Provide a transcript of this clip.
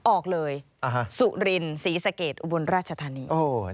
ออกเลยสุรินศรีสะเกดอุบลราชธานี